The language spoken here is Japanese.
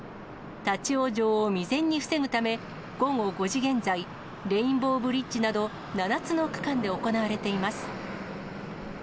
立往生を未然に防ぐため、午後５時現在、レインボーブリッジなど７つの区間で行われています。